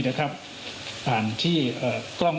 ขออนุญาตแค่นี้ครับ